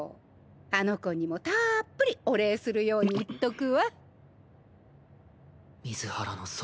あの子にもたっぷりお礼するように言っとくわ。